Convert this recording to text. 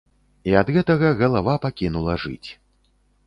І ад гэтага галава пакінула жыць.